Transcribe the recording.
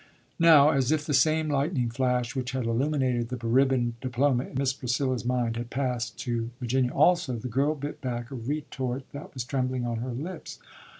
Now, as if the same lightning flash which had illuminated the beribboned diploma in Miss Priscilla's mind had passed to Virginia also, the girl bit back a retort that was trembling on her lips.